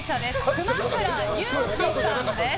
熊倉優樹さんです。